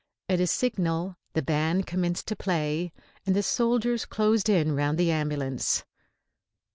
At a signal the band commenced to play and the soldiers closed in round the ambulance.